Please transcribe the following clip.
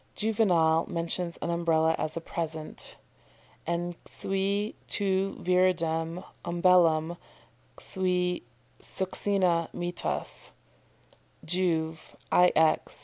"] Juvenal mentions an Umbrella as a present: "En cui tu viridem umbellam cui succina mittas" Juv., ix.